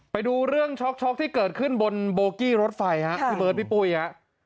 ไปดูเรื่องช็อกที่เกิดขึ้นบนโบกี้รถไฟฮะพี่เบิร์ดพี่ปุ้ยฮะ